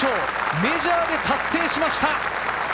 メジャーで達成しました。